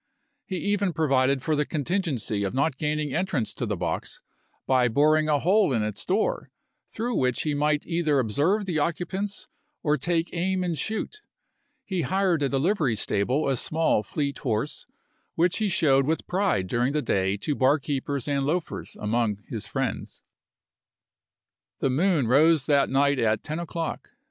He even provided for the contingency of not gaining entrance to the box by boring a hole in its door, through which he might either observe the occupants or take aim and shoot. He hired at a livery stable a small, fleet horse, which he showed with pride during the day to barkeepers and loafers among his friends. The moon rose that night at ten o'clock.